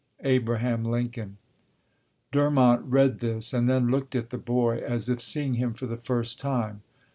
ABRAHAM LINCOLN. Durmont read this, and then looked at the boy as if seeing him for the first time.